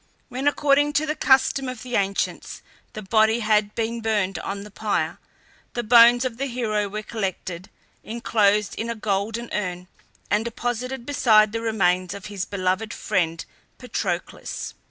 When, according to the custom of the ancients, the body had been burned on the pyre, the bones of the hero were collected, inclosed in a golden urn, and deposited beside the remains of his beloved friend Patroclus.